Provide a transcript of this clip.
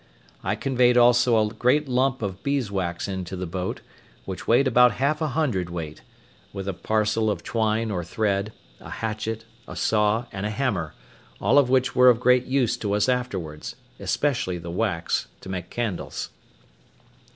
I conveyed also a great lump of beeswax into the boat, which weighed about half a hundred weight, with a parcel of twine or thread, a hatchet, a saw, and a hammer, all of which were of great use to us afterwards, especially the wax, to make candles.